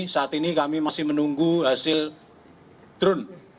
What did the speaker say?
saat ini kami masih menunggu hasil drone